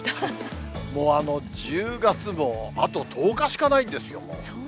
もうあの、１０月もあと１０日しかないんですよ、もう。